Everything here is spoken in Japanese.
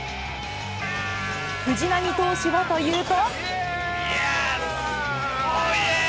藤波投手はというと。